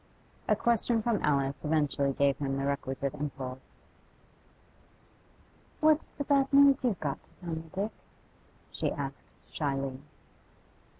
A question from Alice eventually gave him the requisite impulse. 'What's the bad news you've got to tell me, Dick?' she asked shyly.